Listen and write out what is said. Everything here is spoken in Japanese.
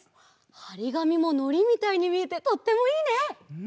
はりがみものりみたいにみえてとってもいいね！